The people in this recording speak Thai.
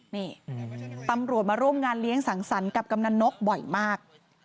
นี่ตำรวจมาร่วมงานเลี้ยงสังสรรค์กับกำนันนกบ่อยมาก